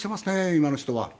今の人は。